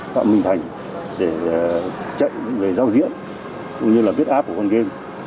tạo nguyễn thành để trách về giao diễn cũng như là viết app của con game